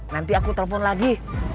nanti aku telepon lagi